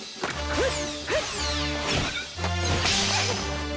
フッ！